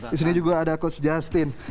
di sini juga ada coach justin